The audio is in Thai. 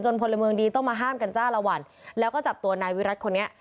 พลเมืองดีต้องมาห้ามกันจ้าละวันแล้วก็จับตัวนายวิรัติคนนี้